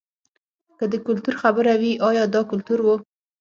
که د کلتور خبره وي ایا دا کلتور و.